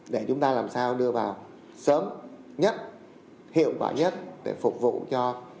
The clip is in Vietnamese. để chúng ta làm sao đưa vào sớm nhất hiệu quả nhất để phục vụ cho